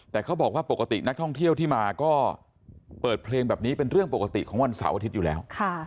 แต่เขาบอกว่าปกตินักท่องเที่ยวที่มาก็เปิดเพลงแบบนี้เป็นเรื่องปกติของวันเสาร์อาทิตย์อยู่แล้ว